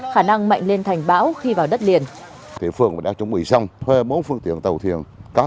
khả năng mạnh lên thành bão khi vào đất liền